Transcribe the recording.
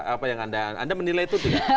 apa yang anda menilai itu tidak